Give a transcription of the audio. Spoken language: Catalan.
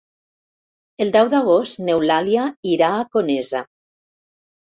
El deu d'agost n'Eulàlia irà a Conesa.